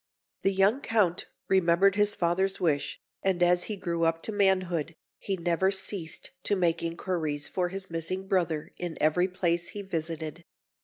The young Count remembered his father's wish, and as he grew up to manhood, he never ceased to make inquiries for his missing brother in every place he visited.